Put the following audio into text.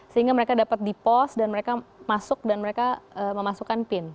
sehingga mereka dapat dipost dan mereka masuk dan mereka memasukkan pin